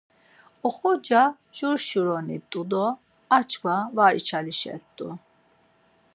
Oxorza jur-şuroni t̆u do açkva var açalişet̆u.